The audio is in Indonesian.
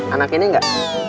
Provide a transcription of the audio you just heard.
anak ini enggak